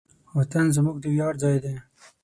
وطن زموږ د ویاړ ځای دی.